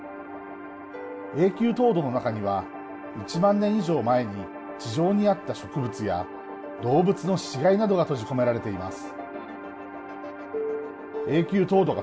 永久凍土の中には１万年以上前に地上にあった植物や動物の死骸などが閉じ込められています。